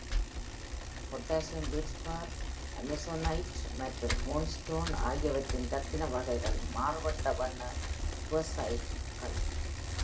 Potassium feldspar, amazonite மற்றும் moonstone ஆகியவற்றின் ரத்தின வகைகள் மாறுபட்ட வண்ண perthite கள்.